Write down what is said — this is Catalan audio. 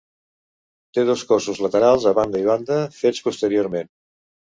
Té dos cossos laterals a banda i banda fets posteriorment.